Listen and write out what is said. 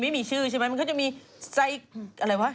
ไม่มีชื่อใช่ไหมมันก็จะมีไซส์อะไรวะ